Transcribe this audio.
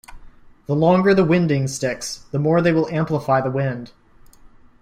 The longer the winding sticks, the more they will amplify the wind.